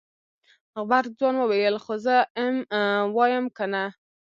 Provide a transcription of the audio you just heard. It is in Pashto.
غبرګ ځوان وويل خو زه ام وايم کنه.